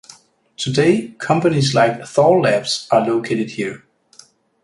Today, companies like Thorlabs, are located here.